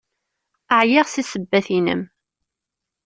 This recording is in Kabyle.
Ɛyiɣ seg ssebbat-nnem!